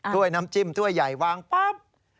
ด้วยน้ำจิ้มถ้วยใหญ่วางปั๊บ